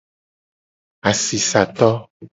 Asisato.